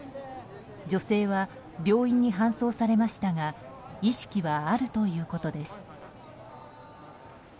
女性は病院に搬送されましたが意識はあるということです。